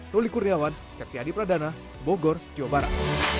roli kurniawan seksi adi pradana bogor jawa barat